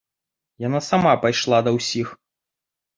Яна сама пайшла да ўсіх.